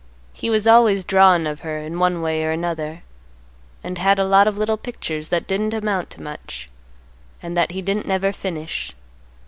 He was always drawin' of her in one way or another, and had a lot of little pictures that didn't amount to much, and that he didn't never finish.